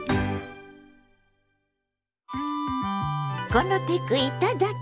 「このテクいただき！